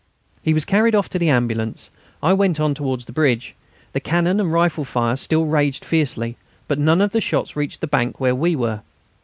He was carried off to the ambulance. I went on towards the bridge; the cannon and rifle fire still raged fiercely, but none of the shots reached the bank where we were.